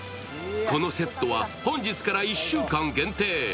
このセットは本日から１週間限定。